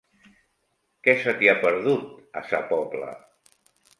Què se t'hi ha perdut, a Sa Pobla?